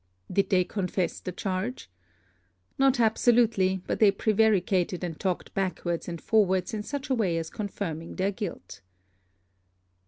'Did they confess the charge?' 'Not absolutely; but they prevaricated and talked backwards and forwards in such a way as confirmed their guilt.'